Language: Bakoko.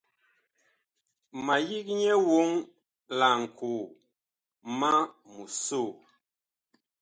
Ma yig nyɛ woŋ laŋkoo, ma mu soo.